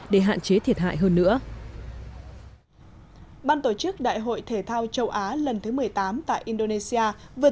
để hạn chế thiệt hại hơn nữa ban tổ chức đại hội thể thao châu á lần thứ một mươi tám tại indonesia vừa